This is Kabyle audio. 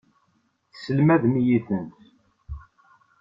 Teslemdem-iyi-tent.